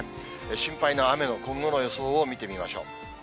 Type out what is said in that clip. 心配な雨の今後の予想を見てみましょう。